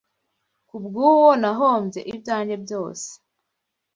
Ku bw’uwo nahombye ibyanjye byose